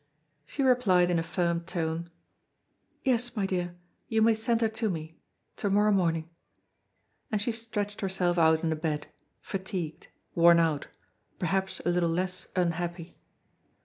She replied in a firm tone: "Yes, my dear, you may send her to me to morrow morning." And she stretched herself out in the bed, fatigued, worn out, perhaps a little less unhappy.